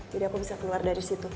jadi aku bisa keluar dari situ